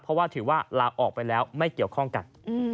เพราะว่าถือว่าลาออกไปแล้วไม่เกี่ยวข้องกัน